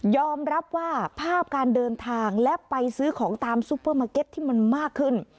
รับว่าภาพการเดินทางและไปซื้อของตามซุปเปอร์มาร์เก็ตที่มันมากขึ้น